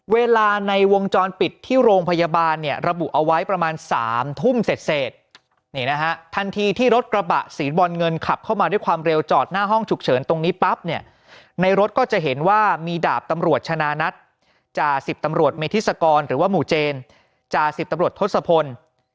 เวลาในวงจรปิดที่โรงพยาบาลเนี่ยระบุเอาไว้ประมาณ๓ทุ่มเสร็จนี่นะฮะทันทีที่รถกระบะสีบอลเงินขับเข้ามาด้วยความเร็วจอดหน้าห้องฉุกเฉินตรงนี้ปั๊บเนี่ยในรถก็จะเห็นว่ามีดาบตำรวจชนะนัทจ่าสิบตำรวจเมธิศกรหรือว่าหมู่เจนจาสิบตำรวจทศพล